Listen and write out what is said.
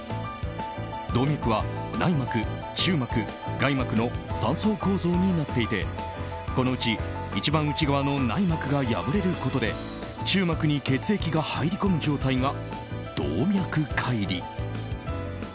動脈は、内膜・中膜・外膜の３層構造になっていてこのうち一番内側の内膜が破れることで中膜に血液が入り込む状態が動脈解離。